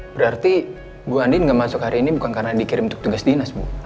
berarti bu andin tidak masuk hari ini bukan karena dikirim untuk tugas dinas bu